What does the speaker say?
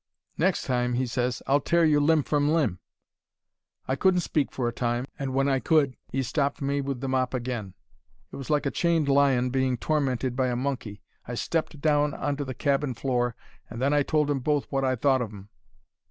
"'Next time,' he ses, 'I'll tear you limb from limb!' "I couldn't speak for a time, and when I could 'e stopped me with the mop agin. It was like a chained lion being tormented by a monkey. I stepped down on to the cabin floor, and then I told 'em both wot I thought of 'em.